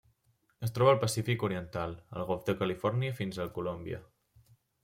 Es troba al Pacífic oriental: el golf de Califòrnia fins a Colòmbia.